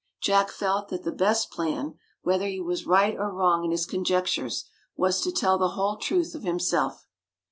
Jack felt that the best plan, whether he was right or wrong in his conjectures, was to tell the whole truth of himself.